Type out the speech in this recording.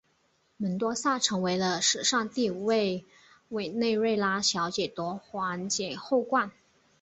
门多萨成为了史上第五位委内瑞拉小姐夺环姐后冠。